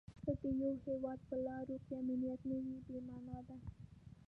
که د یوه هیواد په لارو کې امنیت نه وي بې مانا ده.